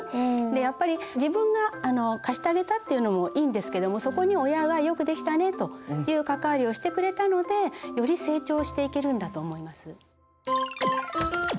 でやっぱり自分が貸してあげたっていうのもいいんですけどもそこに親が「よくできたね」という関わりをしてくれたのでより成長していけるんだと思います。